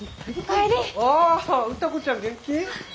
あ歌子ちゃん元気？